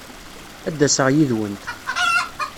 Ad d-aseɣ yid-went.